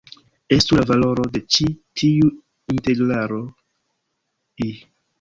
Estu la valoro de ĉi tiu integralo "I".